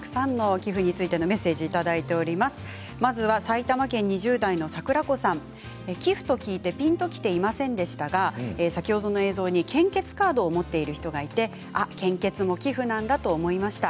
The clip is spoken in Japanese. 寄付と聞いてピンときていませんでしたが先ほどの映像に献血カードを持っている人がいて献血も寄付なんだと思いました。